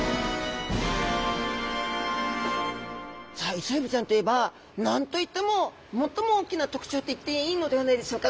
さあイセエビちゃんといえばなんといっても最も大きな特徴といっていいのではないでしょうか